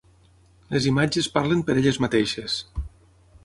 Les imatges parlen per elles mateixes.